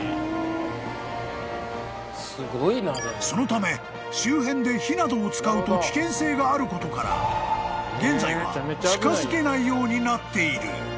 ［そのため周辺で火などを使うと危険性があることから現在は近づけないようになっている］